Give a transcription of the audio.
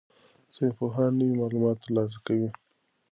ساینسپوهان نوي معلومات ترلاسه کوي.